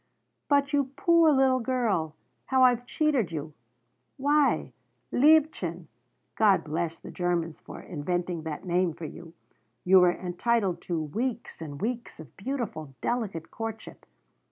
"But you poor little girl how I've cheated you! Why, liebchen God bless the Germans for inventing that name for you you were entitled to weeks and weeks of beautiful, delicate courtship.